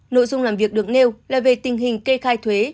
nội dung làm việc được nêu là về tình hình kê khai thuế